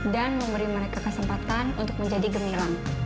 dan memberi mereka kesempatan untuk menjadi gemilang